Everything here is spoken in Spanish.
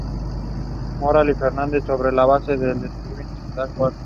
Moral y Fernández sobre la base de B. Schmitt señalan cuatro.